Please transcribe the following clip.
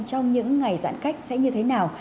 trong những ngày giãn cách sẽ như thế nào